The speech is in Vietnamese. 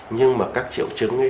nhưng mà các triệu chứng ấy